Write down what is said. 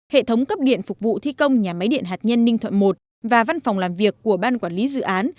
hệ thống cấp điện phục vụ thi công nhà máy điện hạt nhân ninh thuận một và văn phòng làm việc của ban quản lý dự án